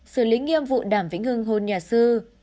xử lý nghiêm vụ đàm vĩnh hưng hôn nhà sư